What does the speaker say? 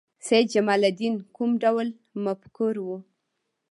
سید جمال الدین کوم ډول مفکر و؟